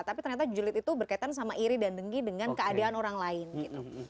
tapi ternyata julid itu berkaitan sama iri dan denggi dengan keadaan orang lain gitu